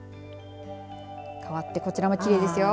かわってこちらはきれいですよ。